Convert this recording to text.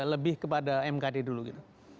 lebih kepada mkd dulu gitu